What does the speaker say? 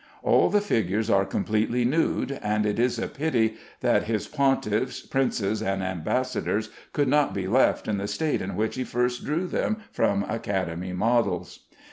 All the figures are completely nude, and it is a pity that his pontiffs, princes, and ambassadors could not be left in the state in which he first drew them from Academy models.